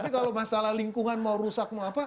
tapi kalau masalah lingkungan mau rusak